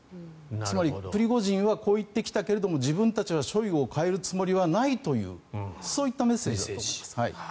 つまり、プリゴジンはこう言ってきたけど自分たちはショイグを代えるつもりはないというそういったメッセージだと思います。